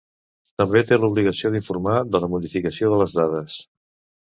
També té l'obligació d'informar de la modificació de les dades.